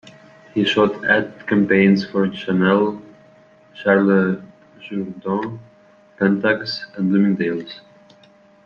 He shot ad campaigns for Chanel, Charles Jourdan, Pentax and Bloomingdale's.